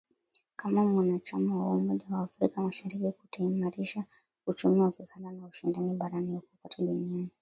kama mwanachama wa umoja wa afrika mashariki kutaimarisha uchumi wa kikanda na ushindani barani huko na kote duniani